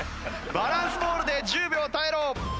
バランスボールで１０秒耐えろ。